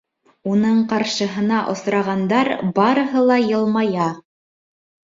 Уның ҡаршыһына осрағандар барыһы ла йылмая.